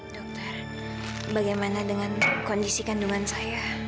dokter bagaimana dengan kondisi kandungan saya